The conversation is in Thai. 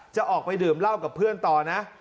จะออกไปดื่มเหล้ากับเพื่อนต่อนะ